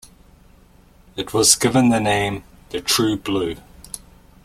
It was given the name 'The True Blue'.